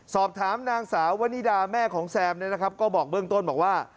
สอบถามนางสาววนิดาแม่ของแซมเนี่ยนะครับก็บอกเบื้องต้นบอกว่า